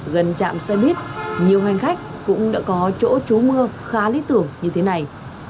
gần trạm xoay bít nhiều hành khách cũng đã có chỗ trú mưa khá lý tưởng như thế này